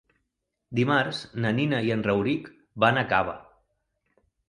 Dimarts na Nina i en Rauric van a Cava.